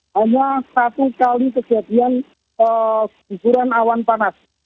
hanya satu kali kejadian guguran awan panas